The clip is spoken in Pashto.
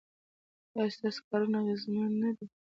ایا ستاسو کارونه اغیزمن نه دي؟